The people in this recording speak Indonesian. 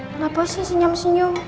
kenapa sih sinyam sinyum